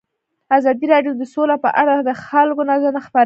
ازادي راډیو د سوله په اړه د خلکو نظرونه خپاره کړي.